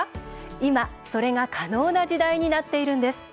今、それが可能な時代になっているんです。